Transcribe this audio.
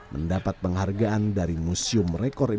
mendapat penghargaan dari museum rekon